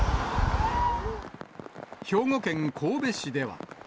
兵庫県神戸市では。